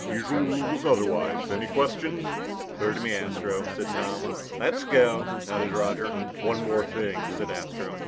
Usual rules otherwise. Any questions?" "Clear to me, Astro," said Tom. "Let's go," nodded Roger. "One more thing," said Astro.